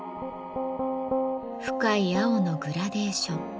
深い青のグラデーション。